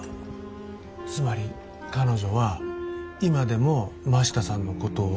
つまり彼女は今でも真下さんのことを。